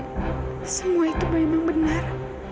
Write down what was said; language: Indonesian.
semua itu memang benar